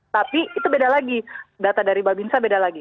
tapi itu beda lagi data dari babinsa beda lagi